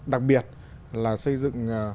đặc biệt là xây dựng